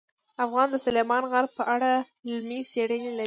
افغانستان د سلیمان غر په اړه علمي څېړنې لري.